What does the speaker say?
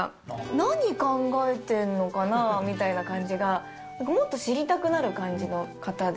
何考えてんのかなみたいな感じが、なんかもっと知りたくなる感じの方で。